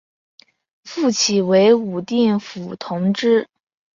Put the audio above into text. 复起为武定府同知。